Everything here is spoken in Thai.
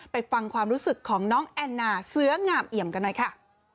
ไปฟังความรู้สึกของน้องแอนนาเสื้องามเอี่ยมกันหน่อยค่ะ